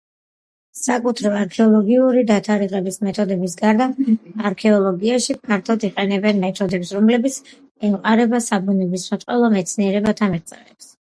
საკუთრივ არქეოლოგიური დათარიღების მეთოდების გარდა, არქეოლოგიაში ფართოდ იყენებენ მეთოდებს, რომლებიც ემყარება საბუნებისმეტყველო მეცნიერებათა მიღწევებს.